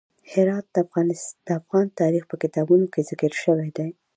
هرات د افغان تاریخ په کتابونو کې ذکر شوی دی.